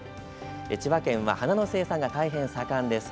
千葉県は花の生産が大変盛んです。